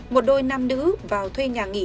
một đôi nam nữ vào thuê nhà nghỉ